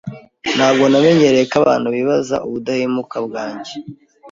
Ntabwo namenyereye ko abantu bibaza ubudahemuka bwanjye.